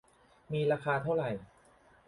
มีราคาเท่าไหร่